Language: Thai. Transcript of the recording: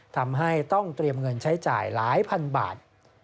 ทำให้ต้องเตรียมเงินใช้จ่ายหลายพันบาท